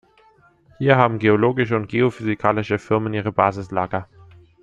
Hier haben geologische und geophysikalische Firmen ihre Basislager.